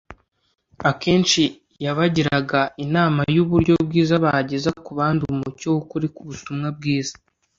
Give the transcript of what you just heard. Akenshi yabagiraga inama y’uburyo bwiza bageza ku bandi umucyo w’ukuri k’ubutumwa bwiza.